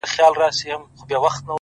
په داسي خوب ویده دی چي راویښ به نه سي؛